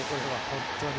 本当に。